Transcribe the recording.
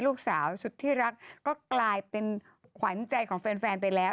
ลูกสาวสุดที่รักก็กลายเป็นขวัญใจของแฟนไปแล้ว